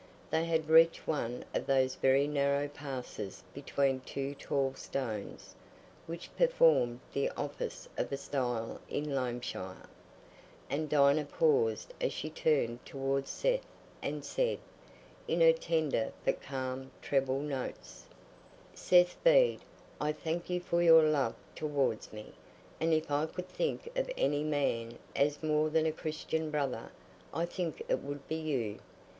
They had reached one of those very narrow passes between two tall stones, which performed the office of a stile in Loamshire, and Dinah paused as she turned towards Seth and said, in her tender but calm treble notes, "Seth Bede, I thank you for your love towards me, and if I could think of any man as more than a Christian brother, I think it would be you.